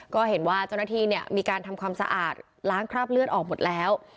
ก็เห็นว่าเจ้าหน้าที่มีการทำความสะอาดล้างคราบเลือดออกหมดแล้ว